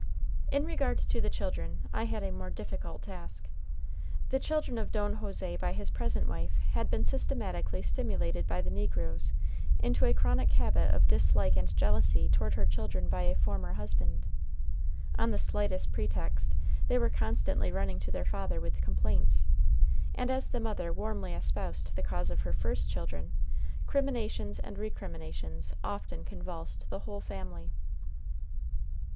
In regard to the children, I had a more difficult task. The children of Don José by his present wife had been systematically stimulated by the negroes into a chronic habit of dislike and jealousy toward her children by a former husband. On the slightest pretext, they were constantly running to their father with complaints; and as the mother warmly espoused the cause of her first children, criminations and recriminations often convulsed the whole family.